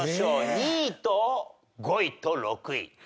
２位と５位と６位。